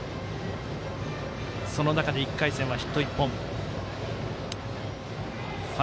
その中で１回戦はヒット１本。